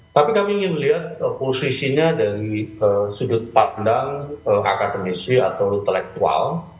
tapi kami ingin melihat posisinya dari sudut pandang akademisi atau intelektual